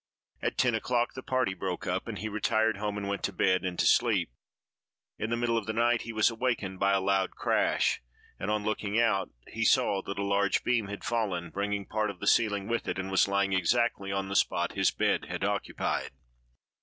At ten o'clock the party broke up, and he retired home and went to bed and to sleep. In the middle of the night, he was awakened by a loud crash, and on looking out, he saw that a large beam had fallen, bringing part of the ceiling with it, and was lying exactly on the spot his bed had occupied.